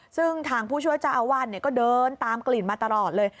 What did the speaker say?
ซึ่งทางผู้ช่วยเจ้าอาวาสก็เดินตามกลิ่นมาตลอดเลย